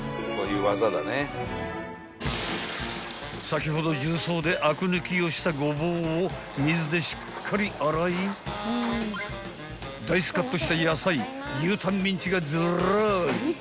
［先ほど重曹であく抜きをしたゴボウを水でしっかり洗いダイスカットした野菜牛タンミンチがずらり］